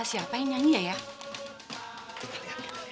jangan lupa bangun sahur